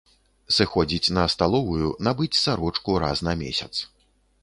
Сыходзіць на сталовую, набыць сарочку раз на месяц.